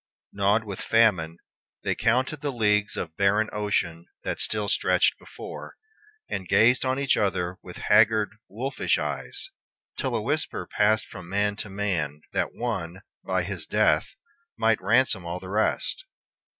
Gnawed with famine, they counted the leagues of barren ocean that still stretched before, and gazed on each other with haggard wolfish eyes, till a whisper passed from man to man that one, by his death, might ransom all the rest.